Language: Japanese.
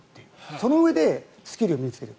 そのうえでスキルを身に着ける。